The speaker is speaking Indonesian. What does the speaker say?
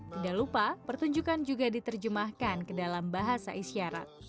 tidak lupa pertunjukan juga diterjemahkan ke dalam bahasa isyarat